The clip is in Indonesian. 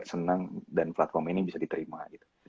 seneng dan platform ini bisa diterima